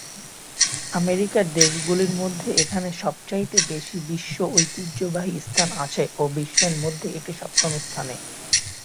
আমেরিকার দেশগুলির মধ্যে এখানে সবচাইতে বেশি বিশ্ব ঐতিহ্যবাহী স্থান আছে ও বিশ্বের মধ্যে এটি সপ্তম স্থানে।